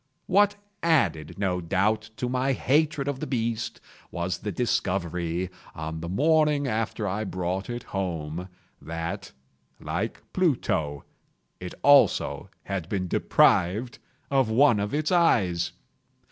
What added, no doubt, to my hatred of the beast, was the discovery, on the morning after I brought it home, that, like Pluto, it also had been deprived of one of its eyes.